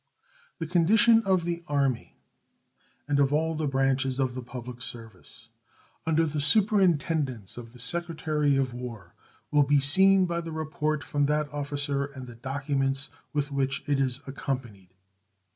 The condition of the Army and of all the branches of the public service under the superintendence of the Secretary of War will be seen by the report from that officer and the documents with which it is accompanied.